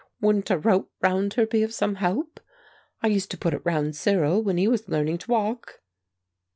"Wouldn't a rope round her be some help? I used to put it round Cyril when he was learning to walk."